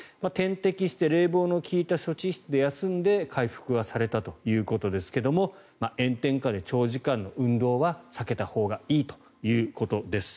点滴して冷房の利いた処置室で休んで回復はされたということですが炎天下で長時間の運動は避けたほうがいいということです。